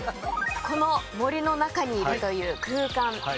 この森の中にいるという空間。